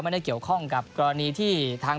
ไม่ได้เกี่ยวข้องกับกรณีที่ทาง